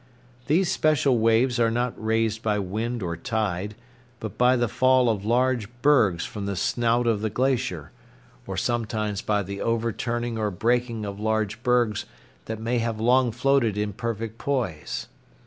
These special waves are not raised by wind or tide, but by the fall of large bergs from the snout of the glacier, or sometimes by the overturning or breaking of large bergs that may have long floated in perfect poise.